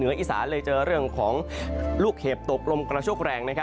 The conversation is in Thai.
เนื้ออิสาทเลยเจอเรื่องของลูกเห็บตกลมกระชกแรง